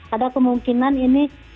ada kemungkinan ini penularan